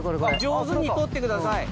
上手に取ってください。